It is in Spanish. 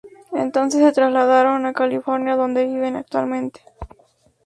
Entonces se trasladaron a California, donde viven actualmente.